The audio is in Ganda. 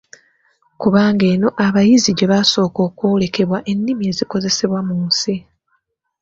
Kubanga eno abayizi gye basooka okwolekebwa ennimi ezikozesebwa mu nsi.